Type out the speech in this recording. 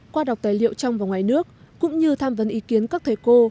qua đọc tài liệu trong và ngoài nước cũng như tham vấn ý kiến các thầy cô